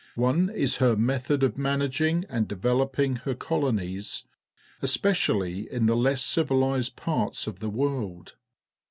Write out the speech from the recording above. One is her method of managing and developing her colonies, especially in the less civilized parts of the world.